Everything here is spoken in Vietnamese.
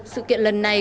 sự kiện lần này